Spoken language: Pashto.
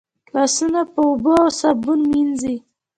لاسونه په اوبو او صابون مینځئ.